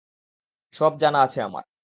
সব জানা আছে আমার!